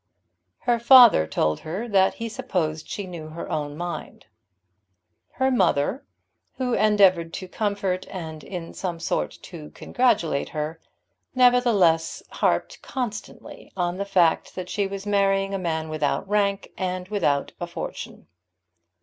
Her father told her that he supposed she knew her own mind. Her mother, who endeavoured to comfort and in some sort to congratulate her, nevertheless, harped constantly on the fact that she was marrying a man without rank and without a fortune.